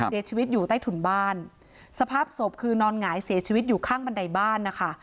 เสียชีวิตอยู่ใต้ถุนบ้านสภาพศพคือนอนหงายเสียชีวิตอยู่ข้างบันไดบ้านนะคะ